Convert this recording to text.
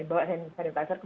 ya pakai hand sanitizer ya kan